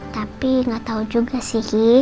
tapi gak tau juga sih